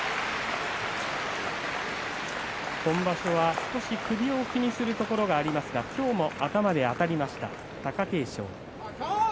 今場所は少し首を気にするところがありますが今日も頭であたっていった貴景勝。